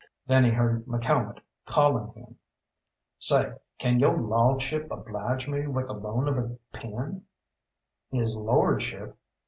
Then he heard McCalmont calling him: "Say, can yo' lawdship oblige me with the loan of a pin?" His lordship!